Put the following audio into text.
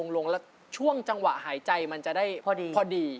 ลงแล้วช่วงจังหวะหายใจมันจะได้พอดี